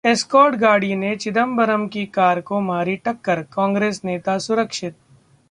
escort गाड़ी ने चिदंबरम की कार को मारी टक्कर, कांग्रेस नेता सुरक्षित